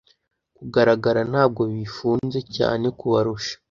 'Kugaragara' ntabwo bifunze cyane kubarusha